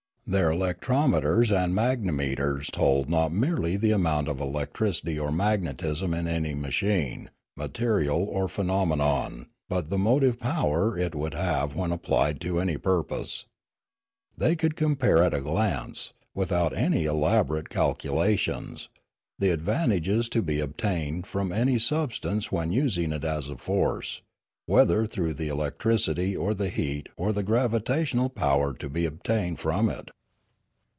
Their electrometers and magnetometers told not merely the amount of electricity or magnetism in any machine, material, or phenomenon, but the motive power it would have when applied to any purpose. They could com pare at a glance, without any elaborate calculations, the advantages to be obtained from any substance when using it as a force, whether through the electricity or the heat or the gravitational power to be obtained from it.